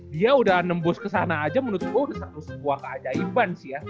dia udah nembus kesana aja menurut gue udah sebuah keajaiban sih ya